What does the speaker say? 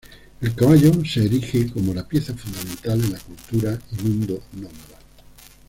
El caballo se erige como la pieza fundamental en la cultura y mundo nómada.